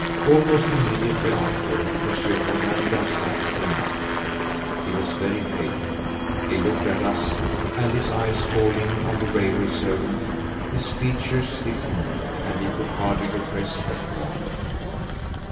Almost immediately after Monsieur Robert Darzac came out. He was very pale. He looked at us and, his eyes falling on the railway servant, his features stiffened and he could hardly repress a groan.